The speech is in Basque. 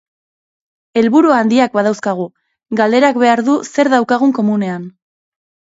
Helburu handiak badauzkagu, galderak behar du zer daukagun komunean.